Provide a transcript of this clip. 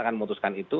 akan memutuskan itu